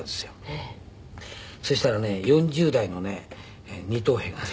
ええ。そしたらね４０代のね２等兵がね。